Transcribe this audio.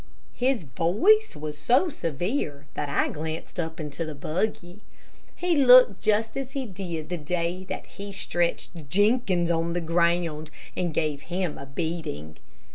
His voice was so severe that I glanced up into the buggy. He looked just as he did the day that he stretched Jenkins on the ground, and gave him a beating.